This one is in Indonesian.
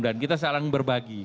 dan kita selalu berbagi